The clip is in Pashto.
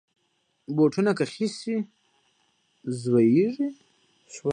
بوټونه که خیشت شي، زویږي.